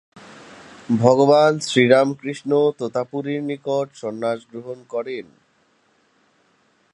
ভগবান শ্রীরামকৃষ্ণ তোতাপুরীর নিকট সন্ন্যাস গ্রহণ করেন।